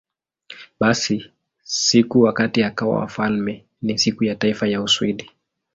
Basi, siku wakati akawa wafalme ni Siku ya Taifa ya Uswidi.